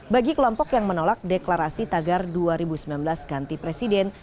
bagi kelompok yang menolak deklarasi tagar dua ribu sembilan belas ganti presiden